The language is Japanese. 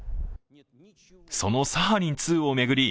そのサハリン２を巡り